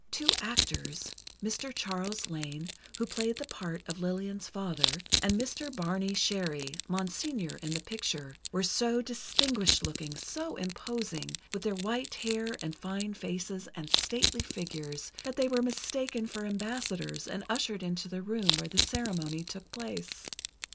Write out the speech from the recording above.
Two actors—Mr. Charles Lane, who played the part of Lillian's father, and Mr. Barney Sherry—Monseigneur in the picture—were so distinguished looking, so imposing, with their white hair and fine faces and stately figures, that they were mistaken for ambassadors and ushered into the room where the ceremony took place.